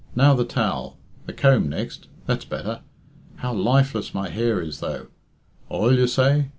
Now the towel. The comb next. That's better. How lifeless my hair is, though. Oil, you say?